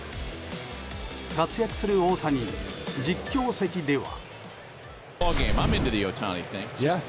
活躍する大谷に実況席では。